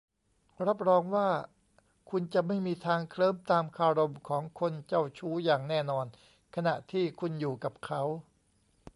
รับรองว่าคุณจะไม่มีทางเคลิ้มตามคารมของคนเจ้าชู้อย่างแน่นอน ขณะที่คุณอยู่กับเขา